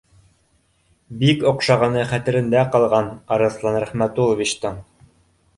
Бик оҡшағаны хәтерендә ҡалған Арыҫлан Рәхмәтулловичтың